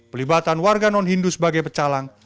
pelibatan warga non hindu sebagai pecalang